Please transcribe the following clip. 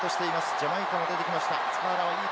ジャマイカも出てきました。